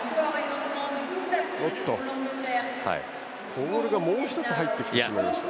ボールがもう１つ入ってきてしまいました。